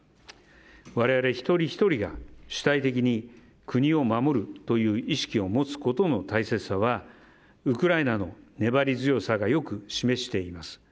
我々一人ひとりが主体的に国を守るという意識を持つことの大切さはウクライナの粘り強さがよく示しています。